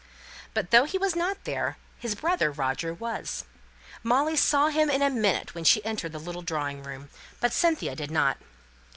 But though he was not there, his brother Roger was. Molly saw him in a minute when she entered the little drawing room; but Cynthia did not.